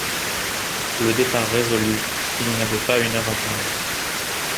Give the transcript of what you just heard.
Le départ résolu, il n’y avait pas une heure à perdre.